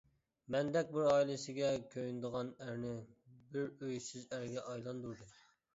مەندەك بىر ئائىلىسىگە كۆيۈنىدىغان ئەرنى بىر ئۆيسىز ئەرگە ئايلاندۇردى.